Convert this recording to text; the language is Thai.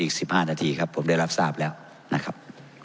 อีก๑๕นาทีครับผมได้รับทราบแล้วนะครับ